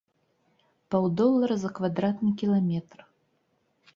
Паўдолара за квадратны кіламетр!